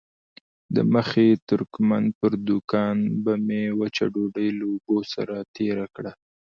د مخي ترکمن پر دوکان به مې وچه ډوډۍ له اوبو سره تېره کړه.